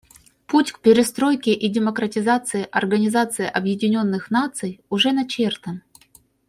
Путь к перестройке и демократизации Организации Объединенных Наций уже начертан.